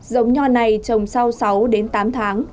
giống nho này trồng sau sáu tám tháng